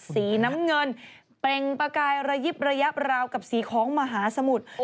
สีน้ำเงินเปล่งประกายระยิบระยะราวกับสีของมหาสมุทร